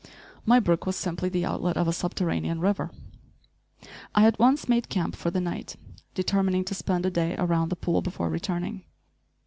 My brook was simply the outlet of a subterranean river. I at once made camp for the night, determining to spend a day around the pool before returning.